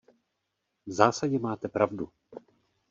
V zásadě máte pravdu.